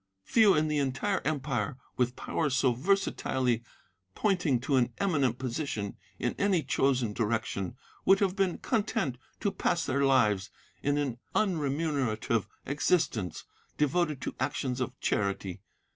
Few in the entire Empire, with powers so versatilely pointing to an eminent position in any chosen direction, would have been content to pass their lives in an unremunerative existence devoted to actions of charity.